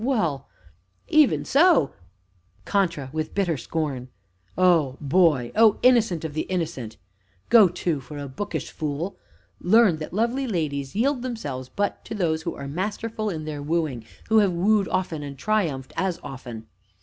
Well even so CONTRA (with bitter scorn). O Boy! O Innocent of the innocent! Go to, for a bookish fool! Learn that lovely ladies yield themselves but to those who are masterful in their wooing, who have wooed often, and triumphed as often.